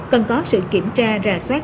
cần có sự kiểm tra rà soát